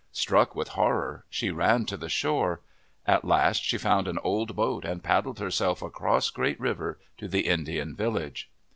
Struck with horror, she ran to the shore. At last she found an old boat and paddled herself across Great River to the Indian village.